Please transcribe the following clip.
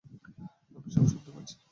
আমি সব শুনতে পাচ্ছি।